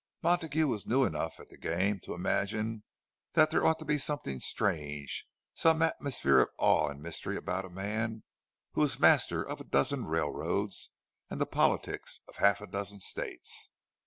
Montague was new enough at the game to imagine that there ought to be something strange, some atmosphere of awe and mystery, about a man who was master of a dozen railroads and of the politics of half a dozen States.